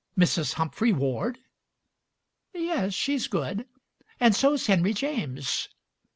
Mrs. Humphry Ward?" "Yes, she's good, and so's Henry James."